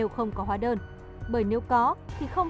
không có cái thì có cái thì không